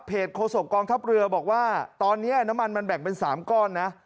โฆษกองทัพเรือบอกว่าตอนนี้น้ำมันมันแบ่งเป็น๓ก้อนนะ